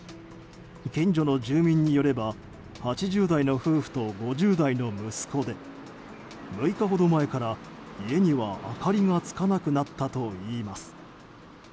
近所の住民によれば８０代の夫婦と５０代の息子で６日ほど前から家には明かりがつかなくなったといいます。